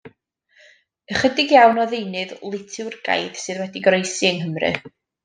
Ychydig iawn o ddeunydd litwrgaidd sydd wedi goroesi yng Nghymru.